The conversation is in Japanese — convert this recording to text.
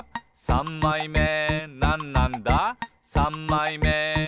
さんまいめなんなんだ？」